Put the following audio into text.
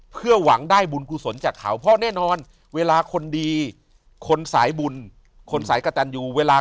เพื่อหวังได้บุญกุศลจากเขา